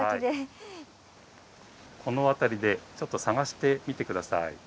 この辺りでちょっと探してみて下さい。